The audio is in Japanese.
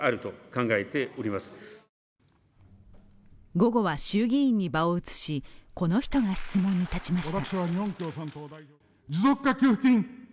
午後は衆議院に場を移し、この人が質問に立ちました。